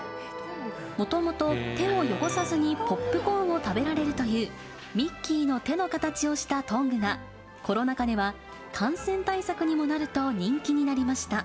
もともと、手を汚さずにポップコーンを食べられるという、ミッキーの手の形をしたトングが、コロナ禍では感染対策にもなると人気になりました。